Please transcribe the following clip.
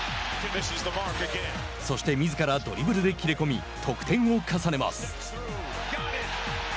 そして、みずからドリブルで切れ込み、得点を重ねます。